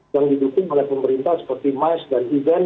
yang didukung oleh pemerintah seperti mice dan iben